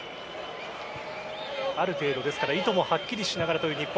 ある程度、意図もはっきりしながらという日本。